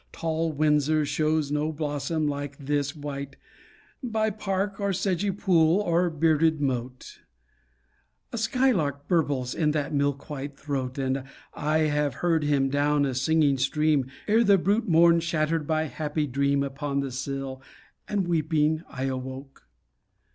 Tall Windsor shows no blossom like this wight By park or sedgy pool or bearded moat; A skylark burbles in that milk white throat, And I have heard him down a singing stream, Ere the brute morn shattered my happy dream Upon the sill, and weeping I awoke.